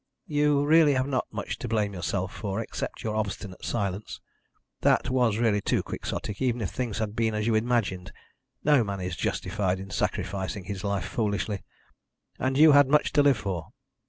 "You really have not much to blame yourself for except your obstinate silence. That was really too quixotic, even if things had been as you imagined. No man is justified in sacrificing his life foolishly. And you had much to live for.